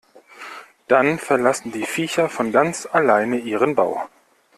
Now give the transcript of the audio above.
Dann verlassen die Viecher von ganz alleine ihren Bau.